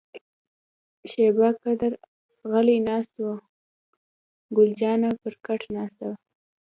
شیبه قدر غلي ناست وو، ګل جانه پر کټ ناسته وه.